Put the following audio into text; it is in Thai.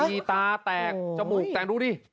มีตาแตกจมูกแตกดูดิ